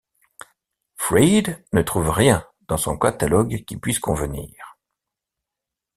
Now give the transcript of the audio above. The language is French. Freed ne trouve rien dans son catalogue qui puisse convenir.